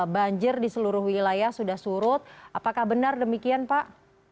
banjir di seluruh wilayah sudah surut apakah benar demikian pak